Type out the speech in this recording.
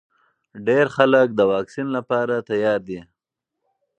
ډېر خلک د واکسین لپاره تیار دي.